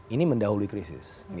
ini mendahului krisis